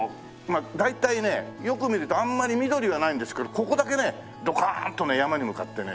大体ねよく見るとあんまり緑はないんですけどここだけねドカーンとね山に向かってね